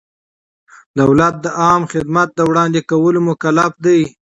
دولت د عامه خدمت د وړاندې کولو مکلف دی.